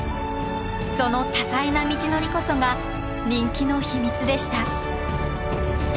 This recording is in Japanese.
その多彩な道のりこそが人気の秘密でした。